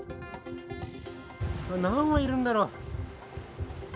何羽いるんだろう。